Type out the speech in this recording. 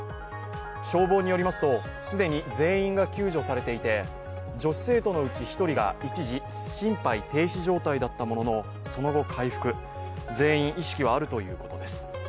消防によりますと既に全員が救助されていて女子生徒のうち１人が、一時心肺停止状態だったもののその後、回復、全員意識はあるということです。